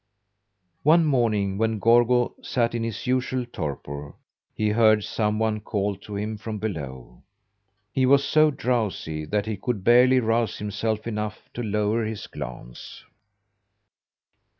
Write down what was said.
One morning when Gorgo sat in his usual torpor, he heard some one call to him from below. He was so drowsy that he could barely rouse himself enough to lower his glance.